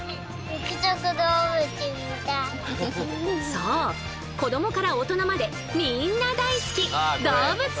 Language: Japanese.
そう子どもから大人までみんな大好き！